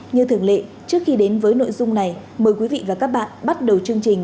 như thường lệ trước khi đến với nội dung này mời quý vị và các bạn bắt đầu chương trình